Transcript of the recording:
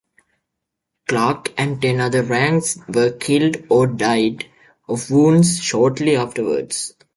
Clark and ten other ranks were killed or died of wounds shortly afterwards.